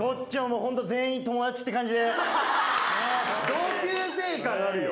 同級生感あるよ。